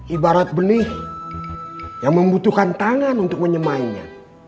ibarat benih yang membutuhkan tangan untuk menyemainya